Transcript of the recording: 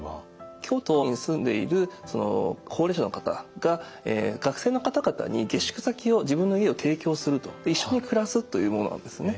京都に住んでいる高齢者の方が学生の方々に下宿先を自分の家を提供すると一緒に暮らすというものなんですね。